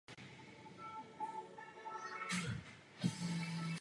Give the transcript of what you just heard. Specifickým případem je správa anglikánské komunity v České republice.